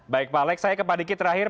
baik pak alex saya ke pak diki terakhir